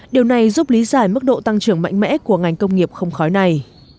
điều này giúp lý giải mức độ tăng trưởng mạnh mẽ của ngành công nghiệp không khói này